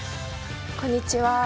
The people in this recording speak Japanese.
こんにちは。